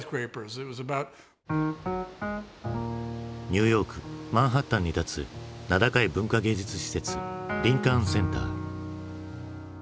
ニューヨークマンハッタンに立つ名高い文化芸術施設リンカーン・センター。